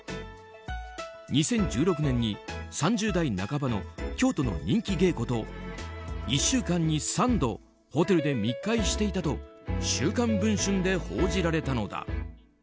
２０１６年に３０代半ばの京都の人気芸妓と１週間に３度ホテルで密会していたと「週刊文春」で報じられたのだ。